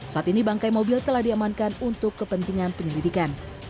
saat ini bangkai mobil telah diamankan untuk kepentingan penyelidikan